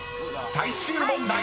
［最終問題］